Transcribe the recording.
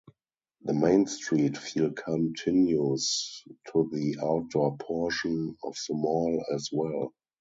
The Main Street feel continues to the outdoor portion of the mall, as well.